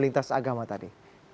pertemuan lintas agama tadi